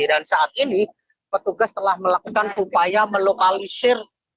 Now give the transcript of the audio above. dan saat ini petugas telah melakukan upaya melokalisir